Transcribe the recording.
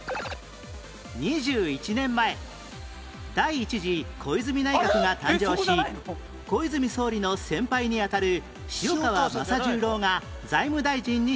２１年前第一次小泉内閣が誕生し小泉総理の先輩に当たる塩川正十郎が財務大臣に就任